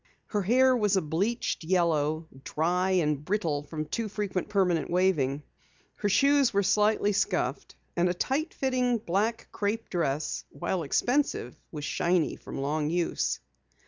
Her hair was a bleached yellow, dry and brittle from too frequent permanent waving. Her shoes were slightly scuffed, and a tight fitting black crepe dress, while expensive, was shiny from long use.